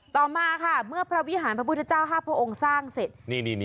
ต่อมาค่ะเมื่อพระวิหารพระพุทธเจ้า๕พระองค์สร้างเสร็จ